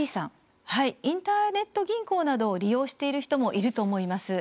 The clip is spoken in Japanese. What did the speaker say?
インターネット銀行などを利用している人もいると思います。